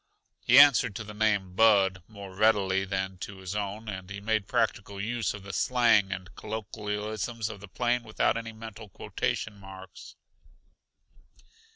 He answered to the name "Bud" more readily than to his own, and he made practical use of the slang and colloquialisms of the plains without any mental quotation marks.